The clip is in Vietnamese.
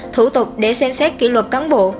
thủ tục để xem xét kỷ luật cán bộ